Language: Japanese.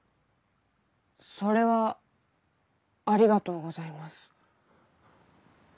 それはありがとうございます。